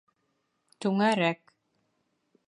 Түңәрәк